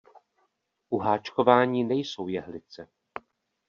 U háčkování nejsou jehlice.